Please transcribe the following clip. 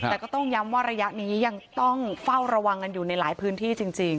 แต่ก็ต้องย้ำว่าระยะนี้ยังต้องเฝ้าระวังกันอยู่ในหลายพื้นที่จริง